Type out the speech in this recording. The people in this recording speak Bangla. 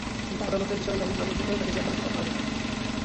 কিন্তু আদালতের বিচারক জামিন নামঞ্জুর করে তাঁকে জেলহাজতে পাঠানোর আদেশ দেন।